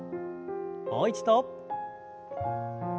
もう一度。